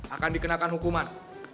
akan dikenakan hukuman